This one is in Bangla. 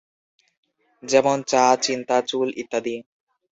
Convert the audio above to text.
যেমন "চা", "চিন্তা", "চুল", ইত্যাদি।